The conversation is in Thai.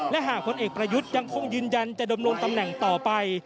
และหากผลเอกประยุทธ์ยังคงยืนยันจะดำรงตำแหน่งต่อไป